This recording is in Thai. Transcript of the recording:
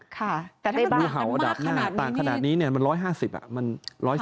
ค่ะแต่ถ้ามันมากขนาดนี้มัน๑๕๐มัน๑๔๐มันไม่มีทางครับ